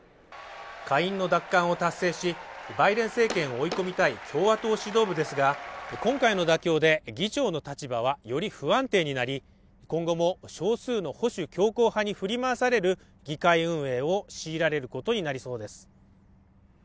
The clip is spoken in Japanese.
下院の奪還を達成し、バイデン政権を追い込みたい共和党指導部ですが今回の妥協で議長の立場は、より不安定になり今後も少数の保守強硬派に振り回される議会運営を強いられることになりそうです。